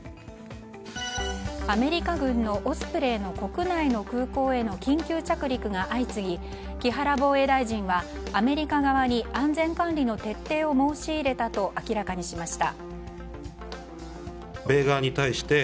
アメリカ軍のオスプレイの国内の空港への緊急着陸が相次ぎ木原防衛大臣はアメリカ側に安全管理の徹底を申し入れたと明らかにしました。